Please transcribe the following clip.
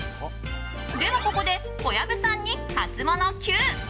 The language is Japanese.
では、ここで小籔さんにハツモノＱ！